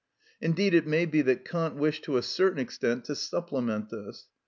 Indeed, it may be that Kant wished to a certain extent to supplement this.